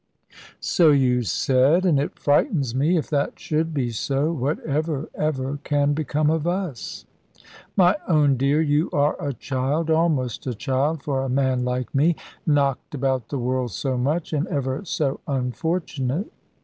"So you said; and it frightens me. If that should be so, what ever, ever can become of us?" "My own dear, you are a child; almost a child for a man like me, knocked about the world so much, and ever so unfortunate."